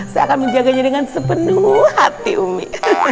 saya akan menjaganya dengan sepenuh hati umi